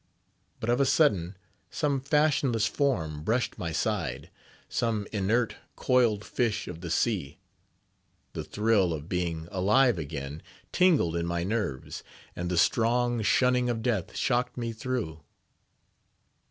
But of a sudden some fashionless form brushed my side—some inert, coiled fish of the sea; the thrill of being alive again tingled in my nerves, and the strong shunning of death shocked me through.